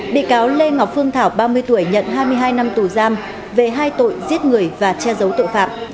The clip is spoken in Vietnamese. bị cáo lê ngọc phương thảo ba mươi tuổi nhận hai mươi hai năm tù giam về hai tội giết người và che giấu tội phạm